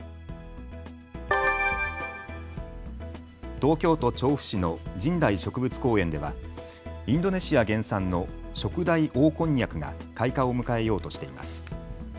東京都調布市の神代植物公園ではインドネシア原産のショクダイオオコンニャクが開花を迎えようとしています。